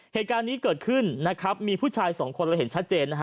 เหตุการณ์นี้เกิดขึ้นมีผู้ชาย๒คนเราเห็นชัดเจน